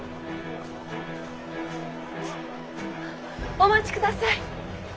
お待ちください。